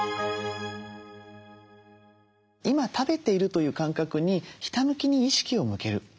今食べているという感覚にひたむきに意識を向ける。